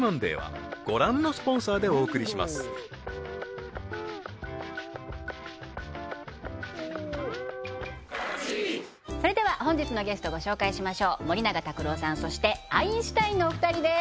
お前それでは本日のゲストご紹介しましょう森永卓郎さんそしてアインシュタインのお二人です